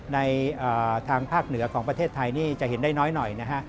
ในทางภาคเหนือของประเทศไทยนี่จะเห็นได้น้อยหน่อยนะฮะ